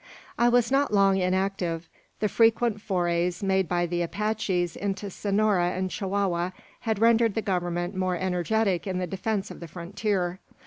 "I was not long inactive. The frequent forays made by the Apaches into Sonora and Chihuahua had rendered the government more energetic in the defence of the frontier.